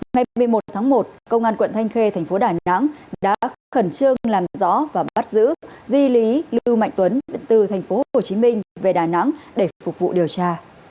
ngày một mươi một tháng một công an quận thanh khê thành phố đà nẵng đã khẩn trương làm rõ và bắt giữ di lý lưu mạnh tuấn từ thành phố hồ chí minh về đà nẵng để phục vụ điều tra